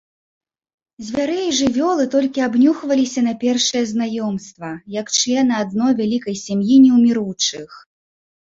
Звяры і жывёлы толькі абнюхваліся на першае знаёмства, як члены адной вялікай сям'і неўміручых.